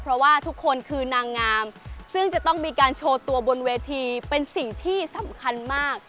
เพราะว่าทุกคนคือนางงามซึ่งจะต้องมีการโชว์ตัวบนเวทีเป็นสิ่งที่สำคัญมาก